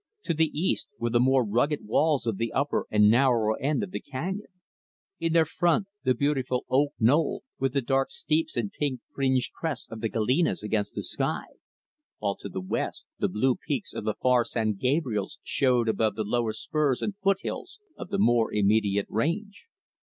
To the east, were the more rugged walls of the upper and narrower end of the canyon; in their front, the beautiful Oak Knoll, with the dark steeps and pine fringed crest of the Galenas against the sky; while to the west, the blue peaks of the far San Gabriels showed above the lower spurs and foothills of the more immediate range.